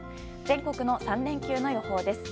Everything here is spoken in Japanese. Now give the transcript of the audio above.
全国の３連休の予報です。